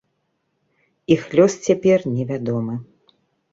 Іх лёс цяпер невядомы.